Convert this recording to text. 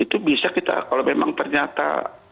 itu bisa kita kalau memang ternyata